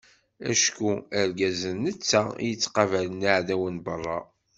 Acku argaz d netta i yettqabalen aεdaw n beṛṛa.